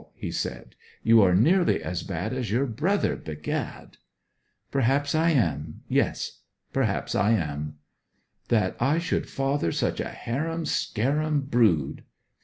he said. 'You are nearly as bad as your brother, begad!' 'Perhaps I am yes perhaps I am!' 'That I should father such a harum scarum brood!'